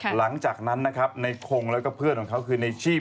หลังจากนั้นนะครับในคงแล้วก็เพื่อนของเขาคือในชีพ